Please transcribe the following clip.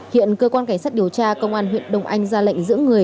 hiện cơ quan cảnh sát điều tra công an huyện đông anh ra lệnh giữ người